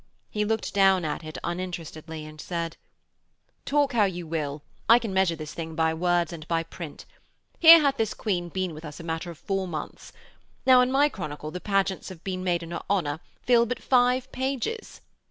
He looked down at it uninterestedly, and said: 'Talk how you will, I can measure this thing by words and by print. Here hath this Queen been with us a matter of four months. Now in my chronicle the pageants that have been made in her honour fill but five pages.'